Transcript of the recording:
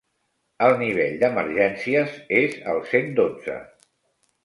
El nivell d'emergències és el cent dotze.